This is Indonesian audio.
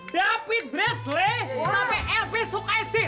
david bresley sampai lv sukesi